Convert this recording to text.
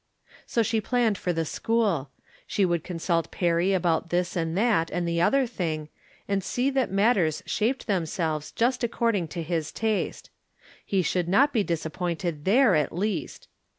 So she planned for the school. She would con 804 From Different Standpoints. suit Perry about this and that and the other thing, and see that matters shaped themselves just according to his taste. He should not be disappointed there at least.